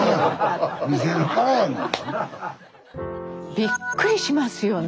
びっくりしますよね。